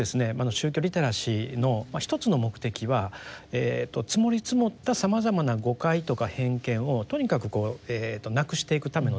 宗教リテラシーの一つの目的は積もり積もったさまざまな誤解とか偏見をとにかくなくしていくためのですね